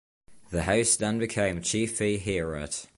The house then became Chi Phi Heorot.